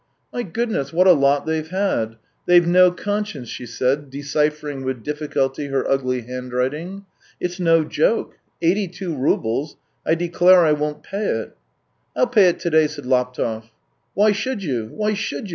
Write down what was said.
" My goodness, what a lot they've had ! They've no conscience !" she said, deciphering with diffi culty her ugly handwriting. " It's no joke ! THREE YEARS 195 Eighty two roubles ! I declare I won't pav it." " I'll pay it to day," said Laptev. " Why should you ? Why should you